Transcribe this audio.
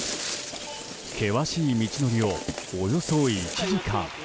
険しい道のりをおよそ１時間。